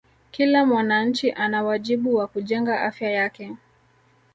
Kila mwananchi ana wajibu wa kujenga Afya yake